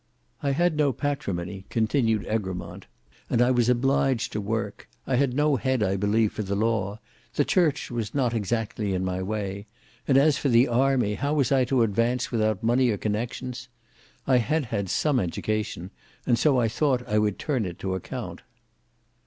"I had no patrimony," continued Egremont, "and I was obliged to work; I had no head I believe for the law; the church was not exactly in my way; and as for the army, how was I to advance without money or connexions! I had had some education, and so I thought I would turn it to account."